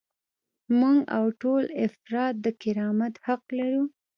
موږ او ټول افراد د کرامت حق لرو.